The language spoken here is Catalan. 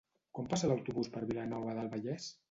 Quan passa l'autobús per Vilanova del Vallès?